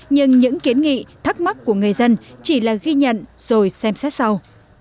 nhưng những kiến nghị thắc mắc của người dân chỉ là ghi nhận rồi xem xét sau